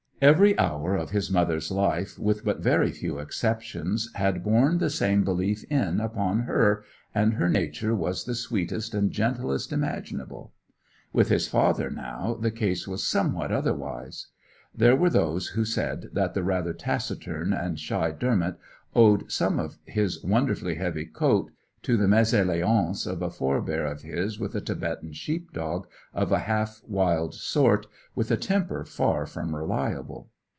Every hour of his mother's life, with but very few exceptions, had borne the same belief in upon her, and her nature was the sweetest and gentlest imaginable. With his father, now, the case was somewhat otherwise. There were those who said that the rather taciturn and shy Dermot owed some of his wonderfully heavy coat to the mesalliance of a forbear of his with a Tibetan Sheep Dog of a half wild sort, with a temper far from reliable.